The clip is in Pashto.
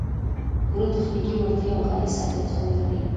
پوره تخنیکي وړتیا او کاري سابقه و لري